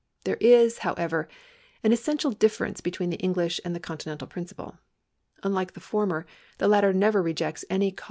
2 There is, however, an essential difference between the English and the Continental principle. Unlike the former, the latter never rejects any 1 Cf.